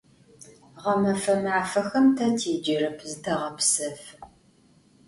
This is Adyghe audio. Ğemefe mafexem te têcerep, zıteğepsefı.